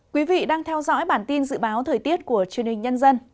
quý vị đang theo dõi bản tin dự báo thời tiết của truyền hình nhân dân